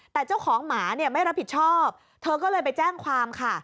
แต่เจ้าของหมาเนี่ยไม่รับผิดชอบเธอก็เลยไปแจ้งความค่ะ